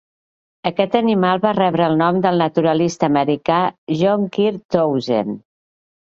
Aquest animal va rebre el nom del naturalista americà John Kirk Townsend.